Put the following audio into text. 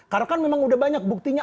karena kan memang udah banyak buktinya